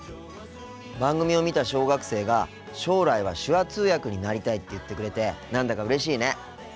番組を見た小学生が将来は手話通訳になりたいって言ってくれて何だかうれしいね。